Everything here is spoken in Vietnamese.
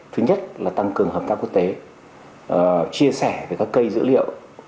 chúng tôi sẽ chia sẻ với các cây dữ liệu